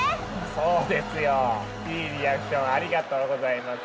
そうですよいいリアクションありがとうございます。